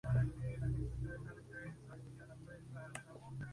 La culata es plegable y extensible a la vez.